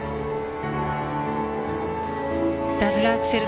ダブルアクセル